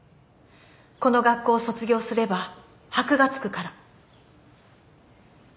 この学校を卒業すれば箔が付くから。